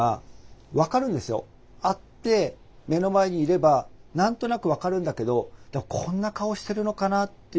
会って目の前にいれば何となく分かるんだけどこんな顔してるのかなっていう。